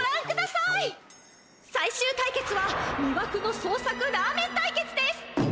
さいしゅう対決は魅惑の創作ラーメン対決です！